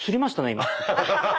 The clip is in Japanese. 今。